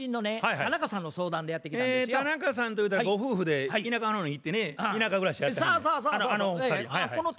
田中さんとゆうたらご夫婦で田舎の方に行ってね田舎暮らしやってはんねや。